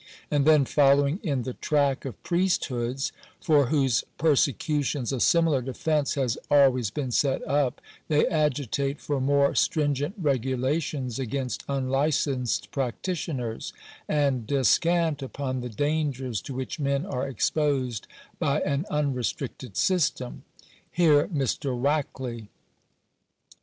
And then, following in the track of priesthoods, for whose persecutions a similar defence has always been set up, they agitate for more stringent regula tions against unlicensed practitioners, and descant upon the dangers to which men are exposed by an unrestricted system. Hear Mr. Wakley.